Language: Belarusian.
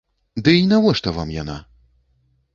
Дый навошта вам яна?